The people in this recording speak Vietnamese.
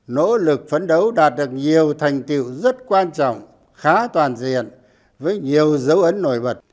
nỗ lực phấn đấu đạt được nhiều thành tiệu rất quan trọng khá toàn diện với nhiều dấu ấn nổi bật